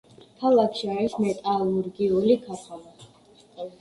ქალაქში არის მეტალურგიული ქარხანა.